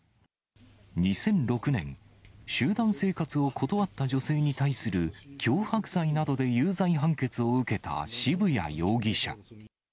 ２００６年、集団生活を断った女性に対する脅迫罪などで有罪判決を受けた渋谷容疑者。